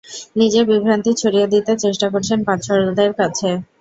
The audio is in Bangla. নিজের বিভ্রান্তি ছড়িয়ে দিতে চেষ্টা করছেন পাঠকদের কাছে।